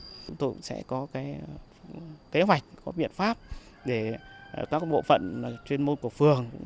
chúng tôi sẽ có kế hoạch có biện pháp để các bộ phận chuyên môn của phường